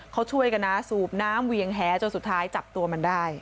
เขาช่วยกันนะสูบน้ำเวียงแหจนสุดท้ายจับตัวมันได้